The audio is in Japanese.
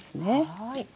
はい。